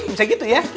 bisa gitu ya